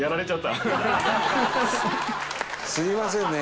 すみませんね。